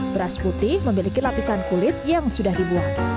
beras putih memiliki lapisan kulit yang sudah dibuat